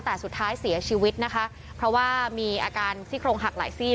แต่สุดท้ายเสียชีวิตนะคะเพราะว่ามีอาการซี่โครงหักหลายซี่